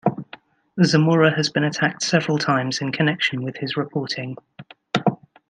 Zamora has been attacked several times in connection with his reporting.